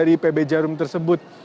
dari pb jarum tersebut